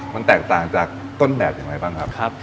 มันแตกต่างจากต้นแบบอย่างไรบ้างครับ